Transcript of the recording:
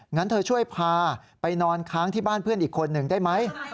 งั้นเธอช่วยพาไปนอนค้างที่บ้านเพื่อนอีกคนหนึ่งได้ไหม